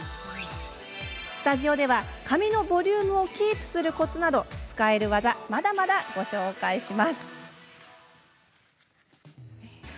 スタジオでは、ボリュームをキープさせるコツなど使える技、まだまだご紹介します。